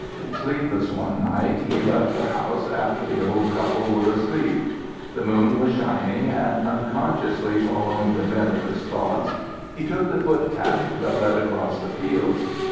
Sleepless one night, he left the house after the old couple were asleep. The moon was shining, and unconsciously following the bent of his thoughts, he took the foot path that led across the fields.